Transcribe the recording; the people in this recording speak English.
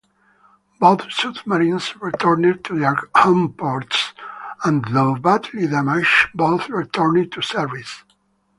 Both submarines returned to their homeports, and though badly damaged both returned to service.